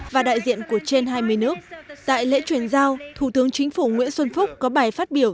và đại diện của trên hai mươi nước tại lễ chuyển giao thủ tướng chính phủ nguyễn xuân phúc có bài phát biểu